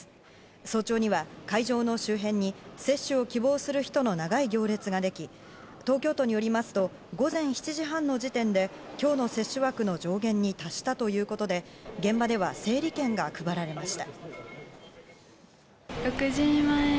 早朝には会場の周辺に接種を希望する人の長い行列ができ、東京都によりますと、午前７時半の時点で今日の接種枠の上限に達したということで現場では整理券が配られました。